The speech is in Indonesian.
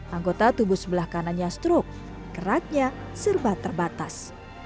anggota tubuh sebelah kanannya stroke keratnya serba terbatas